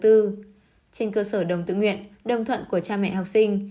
trên cơ sở đồng tự nguyện đồng thuận của cha mẹ học sinh